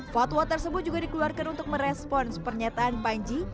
fatwa tersebut juga dikeluarkan untuk merespons pernyataan panji